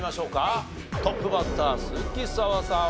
トップバッター鈴木砂羽さん